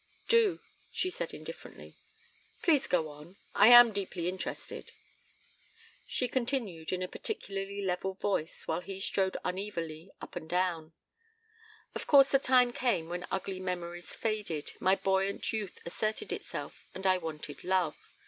"Do," she said indifferently. "Please go on. I am deeply interested." She continued in a particularly level voice while he strode unevenly up and down: "Of course the time came when ugly memories faded, my buoyant youth asserted itself and I wanted love.